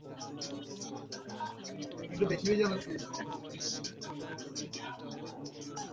স্বামী নিহত হওয়ার খবরে চ্যাংয়ের স্ত্রী গতকাল ঢাকা থেকে যশোরে এসেছেন।